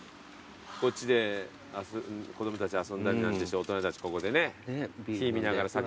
こっちで子供たち遊んだりなんてして大人たちここでね火見ながら酒飲んでみたいな。